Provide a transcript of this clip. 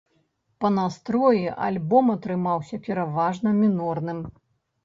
Па настроі альбом атрымаўся пераважна мінорным.